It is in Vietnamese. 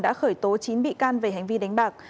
đã khởi tố chín bị can về hành vi đánh bạc